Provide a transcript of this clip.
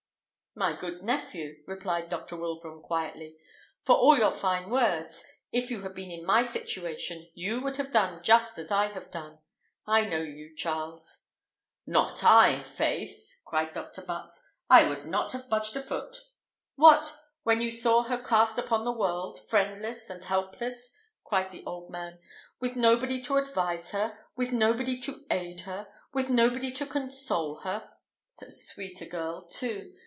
"My good nephew," replied Dr. Wilbraham quietly, "for all your fine words, if you had been in my situation you would have done just as I have done. I know you, Charles." "Not I, i'faith," cried Dr. Butts; "I would not have budged a foot." "What! when you saw her cast upon the world, friendless and helpless," cried the old man, "with nobody to advise her, with nobody to aid her, with nobody to console her? So sweet a girl, too!